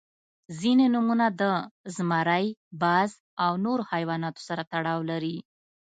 • ځینې نومونه د زمری، باز او نور حیواناتو سره تړاو لري.